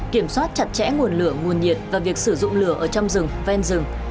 kiểm soát chặt chẽ nguồn lửa nguồn nhiệt và việc sử dụng lửa ở trong rừng ven rừng